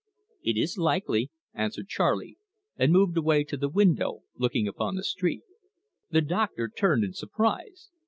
"It is likely," answered Charley, and moved away to the window looking upon the street. The doctor turned in surprise.